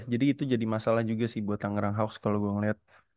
jadi itu jadi masalah juga sih buat tangerang hawks kalau gue melihat